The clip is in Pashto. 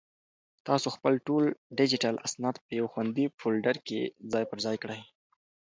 تاسو خپل ټول ډیجیټل اسناد په یو خوندي فولډر کې ځای پر ځای کړئ.